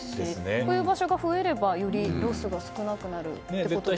こういう場所が増えればよりロスが少なくなるってことですよね。